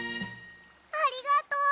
ありがとう。